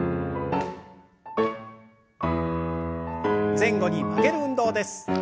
前後に曲げる運動です。